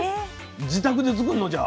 自宅で作るのじゃあ？